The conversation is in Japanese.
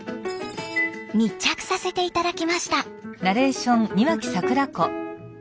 密着させて頂きました。